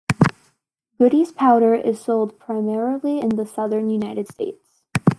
Goody's Powder is sold primarily in the southern United States.